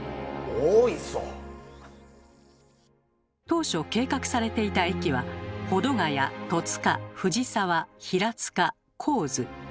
当初計画されていた駅は保土ヶ谷戸塚藤沢平塚国府津。